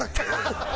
ハハハハ！